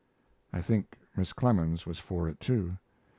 I think Miss Clemens was for it, too.